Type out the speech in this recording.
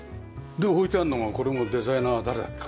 で置いてあるのがこれもデザイナー誰だっけかな。